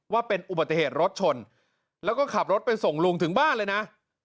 ว่าเป็นอุบัติเหตุรถชนแล้วก็ขับรถไปส่งลุงถึงบ้านเลยนะ